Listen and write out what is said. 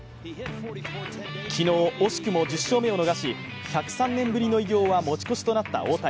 昨日、惜しくも１０勝目を逃し１０３年ぶりの偉業は持ち越しとなった大谷。